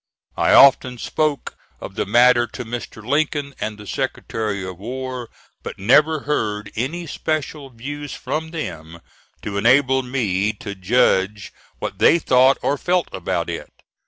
I often spoke of the matter to Mr. Lincoln and the Secretary of War, but never heard any special views from them to enable me to judge what they thought or felt about it.